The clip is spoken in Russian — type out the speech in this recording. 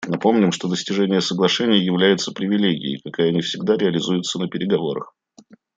Напомним, что достижение соглашений является привилегией, какая не всегда реализуется на переговорах.